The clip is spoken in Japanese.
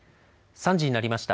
３時になりました。